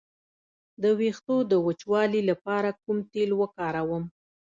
د ویښتو د وچوالي لپاره کوم تېل وکاروم؟